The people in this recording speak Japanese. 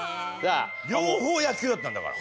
両方野球だったんだから。